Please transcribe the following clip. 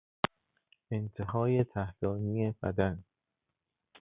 انتهای تحتانی بدن